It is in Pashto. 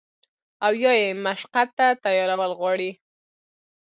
او يا ئې مشقت ته تيارول غواړي